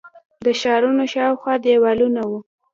د ښارونو شاوخوا دیوالونه وو